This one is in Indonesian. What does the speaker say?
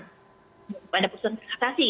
daripada putusan katasi ya